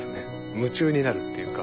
夢中になるっていうか。